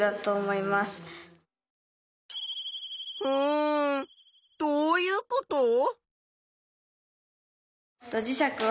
うんどういうこと？